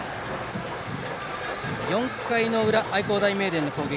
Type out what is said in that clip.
４回の裏、愛工大名電の攻撃。